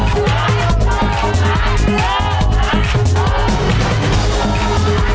โบนัสโบนัสโบนัส